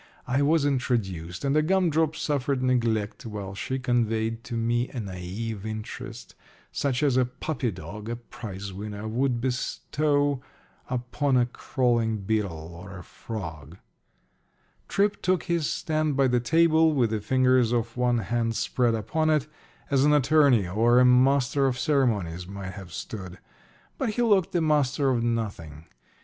I was introduced, and a gum drop suffered neglect while she conveyed to me a naïve interest, such as a puppy dog (a prize winner) might bestow upon a crawling beetle or a frog. Tripp took his stand by the table, with the fingers of one hand spread upon it, as an attorney or a master of ceremonies might have stood. But he looked the master of nothing.